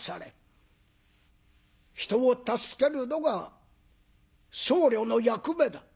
人を助けるのが僧侶の役目だ」。